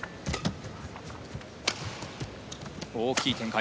大きい展開。